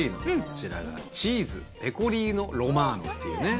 こちらがチーズペコリーノロマーノというね